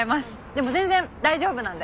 でも全然大丈夫なんで。